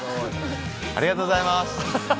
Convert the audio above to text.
ありがとうございます。